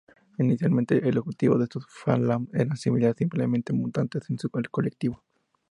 Inicialmente, el objetivo de estos Phalanx era asimilar simplemente mutantes en su colectivo.